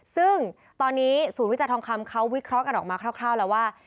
ซึ่งตอนนี้ศูนย์วิจัยทองคำเขาวิเคราะห์กันออกมาคร่าวแล้วว่า